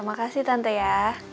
makasih tante ya